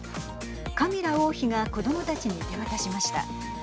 カミラ王妃が子どもたちに手渡しました。